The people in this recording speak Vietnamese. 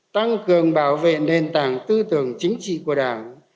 tăng cường bảo vệ nền tảng tư tưởng chính trị của đảng